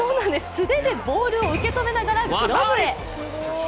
素手でボールを受け止めながらグローブへ。